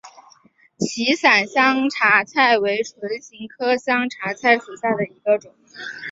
歧伞香茶菜为唇形科香茶菜属下的一个种。